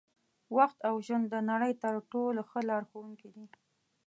وخت او ژوند د نړۍ تر ټولو ښه لارښوونکي دي.